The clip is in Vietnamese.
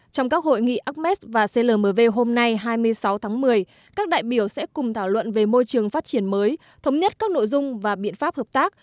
trong các hội nghị ames và clmv hôm nay hai mươi sáu tháng một mươi các đại biểu sẽ cùng thảo luận về môi trường phát triển mới thống nhất các nội dung và biện pháp hợp tác